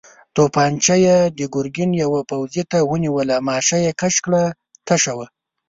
توپانجه يې د ګرګين يوه پوځي ته ونيوله، ماشه يې کش کړه، تشه وه.